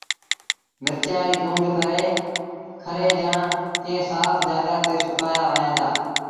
مرچآݩ ريٚ چُونڊ ڪري کري جآݩ ڪݩهݩ سآڦ جآڳآ تي سُڪآيآ وهن دآ